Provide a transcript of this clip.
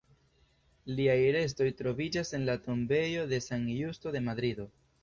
Liaj restoj troviĝas en la tombejo de San Justo de Madrido.